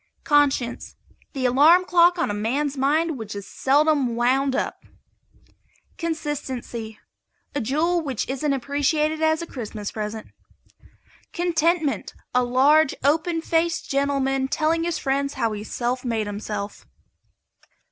CONSCIENCE. The alarm clock on a man's mind which is seldom wound up. CONSISTENCY. A jewel which isn't appreciated as a Christmas present. CONTENTMENT. A large, open faced gentleman telling his friends how he self made himself.